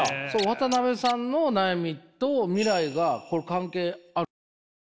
渡辺さんの悩みと未来がこれ関係あるんすか？